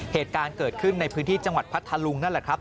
เหตุการณ์เกิดขึ้นในพื้นที่จังหวัดพัทธลุงนั่นแหละครับ